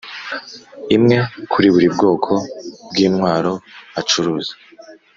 imwe kuri buri bwoko bw intwaro acuruza